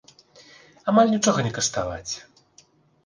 Амаль нічога не каштаваць.